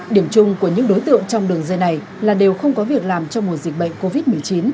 điểm chung của những đối tượng trong đường dây này là đều không có việc làm trong mùa dịch bệnh covid một mươi chín